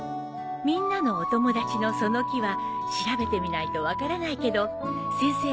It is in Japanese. みんなのお友達のその木は調べてみないと分からないけど先生